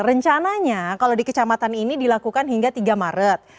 rencananya kalau di kecamatan ini dilakukan hingga tiga maret